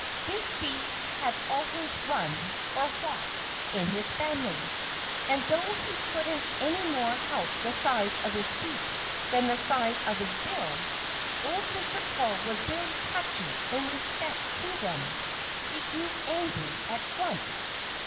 Big feet had always run or walked in his family. And though he couldn't any more help the size of his feet than the size of his bill, old Mr. Crow was very touchy in respect to them. He grew angry at once.